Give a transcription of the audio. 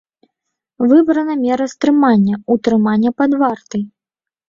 Выбрана мера стрымання — утрыманне пад вартай.